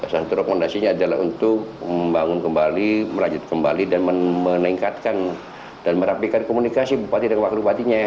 satu rekomendasinya adalah untuk membangun kembali melanjut kembali dan meningkatkan dan merapikan komunikasi bupati dan wakil bupatinya ya